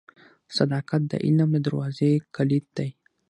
• صداقت د علم د دروازې کلید دی.